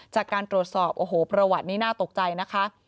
จากการตรวจสอบโอ้โหประวัตินี้น่าตกใจนะคะ